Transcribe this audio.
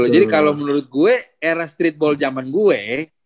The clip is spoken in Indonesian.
jadi kalau menurut gue era streetball zaman gue